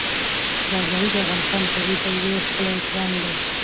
زردالو د افغانستان د طبیعي پدیدو یو ښکلی رنګ دی.